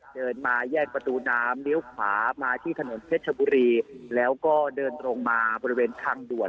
เดินมาแยกประตูน้ำเลี้ยวขวามาที่ถนนเพชรชบุรีแล้วก็เดินลงมาบริเวณทางด่วน